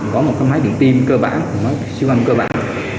có một máy điện tiêm cơ bản siêu âm cơ bản